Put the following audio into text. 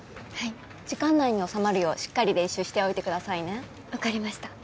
時間内に収まるようしっかり練習しておいてくださいね分かりました